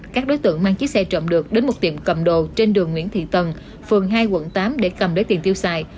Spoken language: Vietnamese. các đối tượng mang chiếc xe trộm được đến một tiệm cầm đồ trên đường nguyễn thị tần phường hai quận tám để cầm lấy tiền tiêu xài